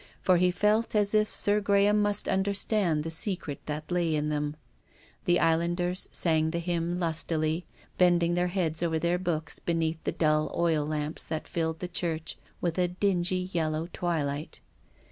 For he felt as if Sir Graham must under stand the secret that lay in them. The islanders sang the hymn lustily, bending their heads over their books beneath the dull oil lamps that filled the church with a dingy yellow twilight.